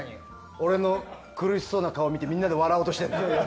俺の苦しそうな顔見てみんなで笑おうって？